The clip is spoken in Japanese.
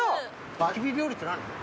まき火料理って何？